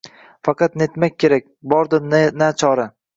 Faqat netmak kerak, bordir na chora